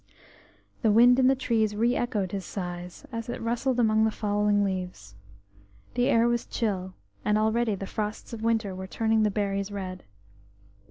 The wind in the trees re echoed his sighs, as it rustled amongst the fallen leaves. The air was chill, and already the frosts of winter were turning the berries red.